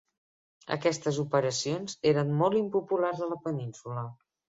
Aquestes operacions eren molt impopulars a la península.